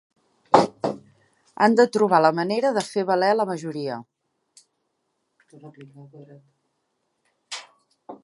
Han de trobar la manera de fer valer la majoria.